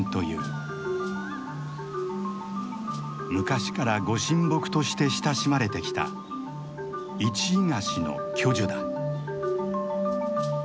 昔からご神木として親しまれてきたイチイガシの巨樹だ。